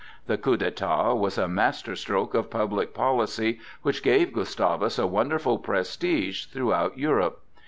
The coup d'état was a masterstroke of public policy which gave Gustavus a wonderful prestige throughout Europe.